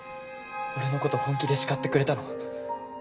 俺の事本気で叱ってくれたの。